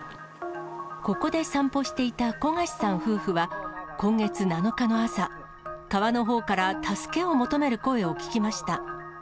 ここで散歩していた木焦さん夫婦は、今月７日の朝、川のほうから助けを求める声を聞きました。